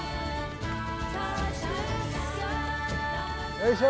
よいしょ！